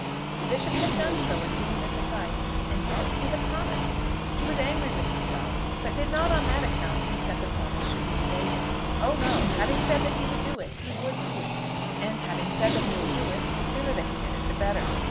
The Bishop had done so in giving this advice, and yet he had promised. He was angry with himself, but did not on that account think that the promise should be evaded. Oh no! Having said that he would do it, he would do it. And having said that he would do it, the sooner that he did it the better.